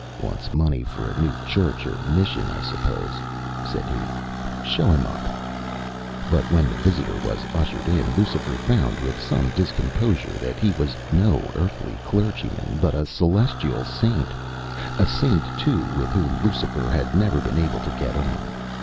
“Wants money for a new church or mission, I suppose,” said he. “Show him up.” But when the visitor was ushered in, Lucifer found with discomposure that he was no earthly clergyman, but a celestial saint; a saint, too, with whom Lucifer had never been able to get on.